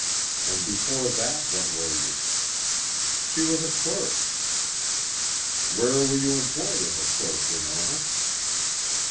And before that what were you? She was a clerk. Where were you employed as a clerk, Winona?